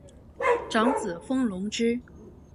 长子封隆之。